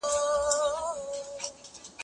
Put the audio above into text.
هغه وويل چي انځور روښانه دی،